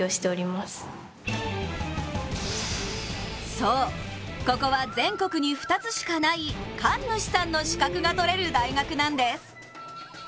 そう、ここは全国に２つしかない神主さんの資格が取れる大学なんです。